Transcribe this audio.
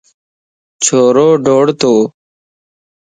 ڇورو ڊوڙتو